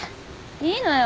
いいのよ。